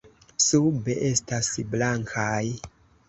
Sube estas blankaj.